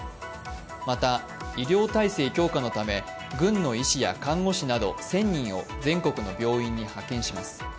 また医療体制強化のため、軍の医師や看護師など１０００人を全国の病院に派遣します。